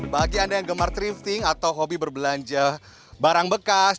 bagi anda yang gemar thrifting atau hobi berbelanja barang bekas